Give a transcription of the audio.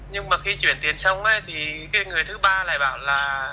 nhưng mà khi chuyển tiền xong thì cái người thứ ba lại bảo là